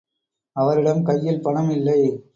அவரிடம் கையில் பணம் இல்லை.